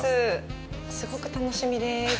すごく楽しみです。